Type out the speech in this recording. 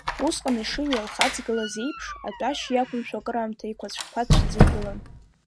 Усҟан ишыҩалхаҵгылаз еиԥш, атәашьа иақәымшәо акыраамҭа иқәацә-қәацәӡа игылан.